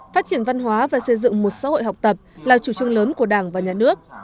phát triển văn hóa và xây dựng một xã hội học tập là chủ trương lớn của đảng và nhà nước